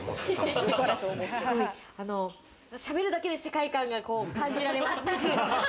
喋るだけで世界観が感じられますね。